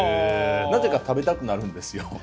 なぜか食べたくなるんですよ。